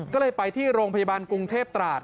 ก็เลยไปที่โรงพยาบาลกรุงเทพตราด